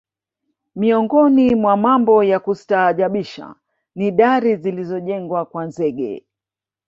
Miongoni mwa mambo ya kustaajabisha ni dari zilizojengwa kwa zege